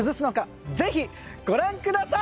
ぜひご覧ください！